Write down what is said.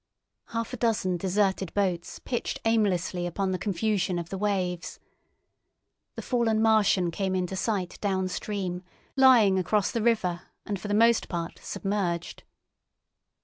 Half a dozen deserted boats pitched aimlessly upon the confusion of the waves. The fallen Martian came into sight downstream, lying across the river, and for the most part submerged.